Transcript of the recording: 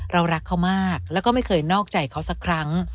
เรารักเขามากแล้วก็ไม่เคยนอกใจเขาสักครั้ง